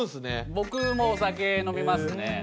僕もお酒飲みますね。